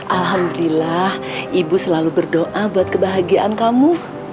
alhamdulillah ibu selalu berdoa buat kebahagiaan kamu